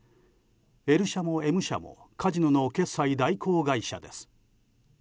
Ｌ社もＭ社もカジノの決済代行会社です。